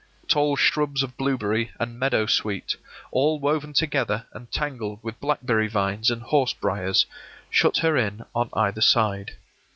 Tall shrubs of blueberry and meadow sweet, all woven together and tangled with blackberry vines and horsebriers, shut her in on either side.